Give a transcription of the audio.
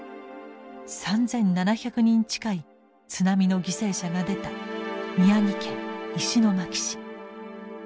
３，７００人近い津波の犠牲者が出た宮城県石巻市。